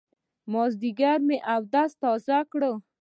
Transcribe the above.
مازيګر مې اودس تازه کړ.